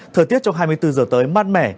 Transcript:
thời tiết trong hai mươi bốn giờ tới mát mẻ